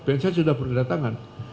genset sudah berniatangan